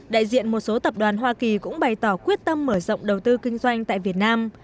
đại diện một số tập đoàn hoa kỳ cũng bày tỏ quyết tâm mở rộng đầu tư kinh doanh tại việt nam